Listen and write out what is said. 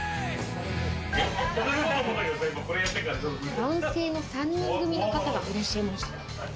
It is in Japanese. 男性の３人組の方がいらっしゃいました。